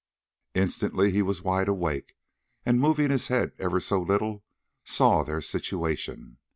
Instantly he was wide awake, and, moving his head ever so little, saw their situation.